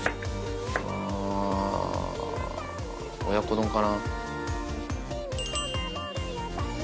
親子丼かな。